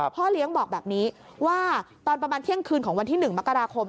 พ่อเลี้ยงบอกแบบนี้ว่าตอนประมาณเที่ยงคืนของวันที่๑มกราคม